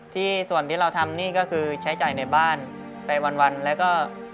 ที่ส่วนที่เราทำนี่ก็คือใช้จ่ายในบ้านไปวันแล้วก็